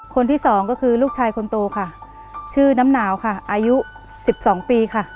คนที่สองก็คือลูกชายคนโตค่ะชื่อน้ำหนาวค่ะอายุสิบสองปีค่ะ